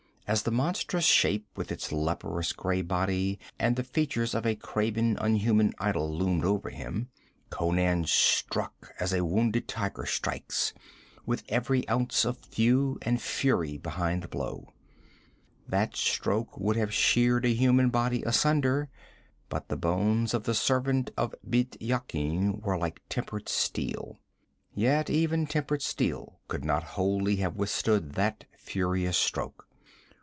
As the monstrous shape with its leprous gray body and the features of a carven, unhuman idol loomed over him, Conan struck as a wounded tiger strikes, with every ounce of thew and fury behind the blow. That stroke would have sheared a human body asunder; but the bones of the servant of Bît Yakin were like tempered steel. Yet even tempered steel could not wholly have withstood that furious stroke.